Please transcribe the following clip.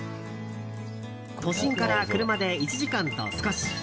都心から車で１時間と少し。